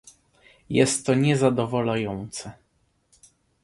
Jest to niezadowalające